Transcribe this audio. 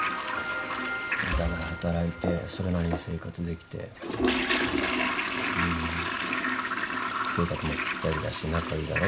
お互い働いてそれなりに生活できて性格もぴったりだし仲良いだろ。